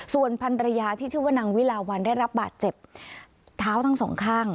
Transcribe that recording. ส่วนพันรยาที่ชื่อว่านางวิลาวันได้รับบาดเจ็บเท้าทั้งสองข้าง